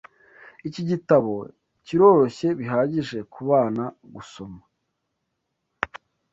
Iki gitabo kiroroshye bihagije kubana gusoma.